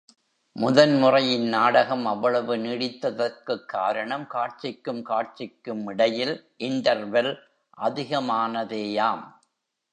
முதன் முறை இந்நாடகம் அவ்வளவு நீடித்ததற்குக் காரணம், காட்சிக்கும் காட்சிக்கும் இடையில் இண்டர்வெல் அதிகமானதேயாம்.